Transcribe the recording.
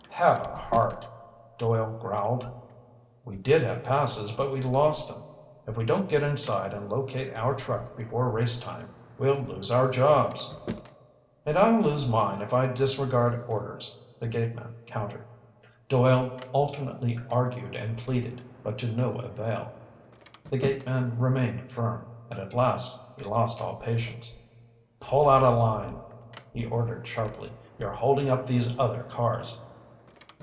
"Have a heart," Doyle growled. "We did have passes, but we lost 'em. If we don't get inside and locate our truck before race time, we'll lose our jobs!" "And I'll lose mine if I disregard orders," the gateman countered. Doyle alternately argued and pleaded, but to no avail. The gateman remained firm. And at last he lost all patience. "Pull out of line," he ordered sharply. "You're holding up these other cars."